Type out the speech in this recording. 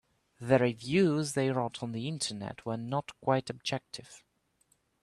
The reviews they wrote on the Internet were not quite objective.